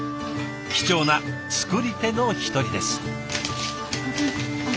貴重な作り手の一人です。